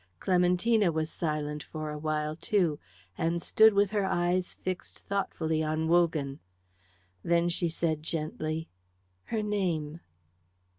Clementina was silent for a while too, and stood with her eyes fixed thoughtfully on Wogan. Then she said gently, "Her name."